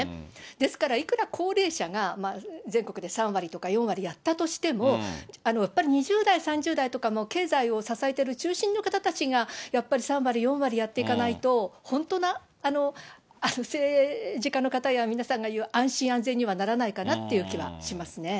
ですから、いくら高齢者が全国で３割とか４割やったとしても、やっぱり２０代、３０代とかの経済を支えている中心の方たちが、やっぱり３割、４割やっていかないと、本当な、政治の方や皆さんが言う、安心・安全にはならないかなっていう気はしますね。